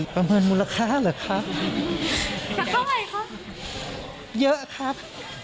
ประเมินมูลค่าหรือครับ